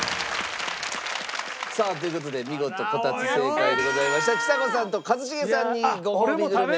さあという事で見事こたつ正解でございましたちさ子さんと一茂さんにごほうびグルメ。